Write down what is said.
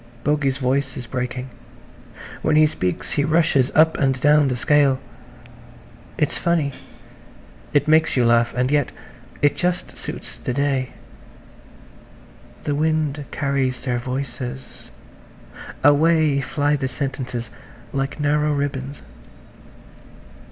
Bogey's voice is breaking. When he speaks he rushes up and down the scale. It's funny–it makes you laugh–and yet it just suits the day. The wind carries their voices–away fly the sentences like narrow ribbons.